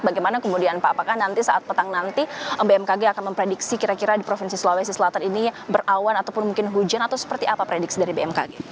bagaimana kemudian pak apakah nanti saat petang nanti bmkg akan memprediksi kira kira di provinsi sulawesi selatan ini berawan ataupun mungkin hujan atau seperti apa prediksi dari bmkg